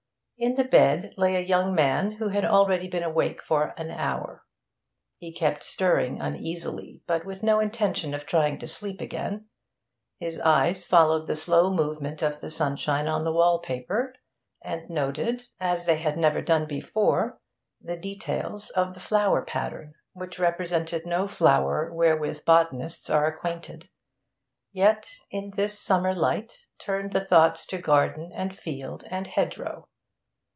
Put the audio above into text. In the bed lay a young man who had already been awake for an hour. He kept stirring uneasily, but with no intention of trying to sleep again. His eyes followed the slow movement of the sunshine on the wall paper, and noted, as they never had done before, the details of the flower pattern, which represented no flower wherewith botanists are acquainted, yet, in this summer light, turned the thoughts to garden and field and hedgerow.